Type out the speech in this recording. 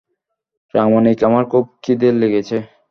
রামনিক, আমার খুব ক্ষিদে লেগেছে!